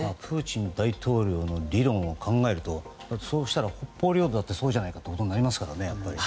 プーチン大統領の理論を考えるとそうしたら北方領土だってそうじゃないかと思いますよね。